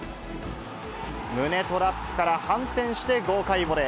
胸トラップから反転して豪快ボレー。